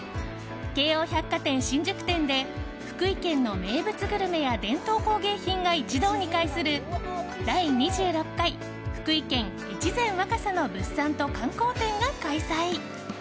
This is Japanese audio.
京王百貨店新宿店で福井県の名物グルメや伝統工芸品が一堂に会する第２６回福井県「越前・若狭」の物産と観光展が開催。